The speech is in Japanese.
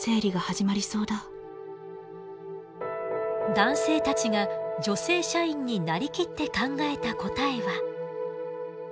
男性たちが女性社員に成りきって考えた答えは。